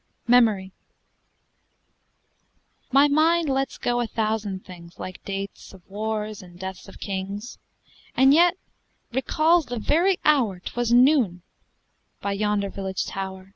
MEMORY My mind lets go a thousand things, Like dates of wars and deaths of kings, And yet recalls the very hour 'Twas noon by yonder village tower.